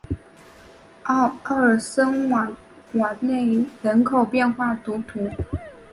奥尔森瓦勒人口变化图示